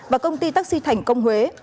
và công ty taxi thành công huế